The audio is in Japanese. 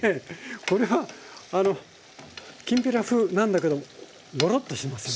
これはきんぴら風なんだけどもゴロッとしてますよね。